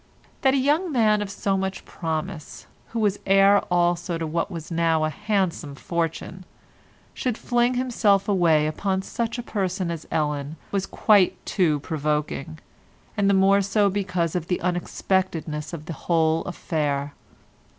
That a young man of much promise who was heir also to what was now a handsome fortune, should fling himself away upon such a person as Ellen was quite too provoking, and the more so because of the unexpectedness of the whole affair.